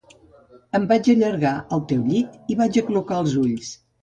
Em vaig allargar al teu llit i vaig aclucar els ulls.